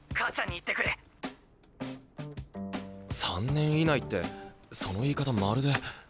３年以内ってその言い方まるで。